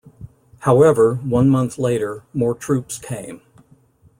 However, one month later, more troops came.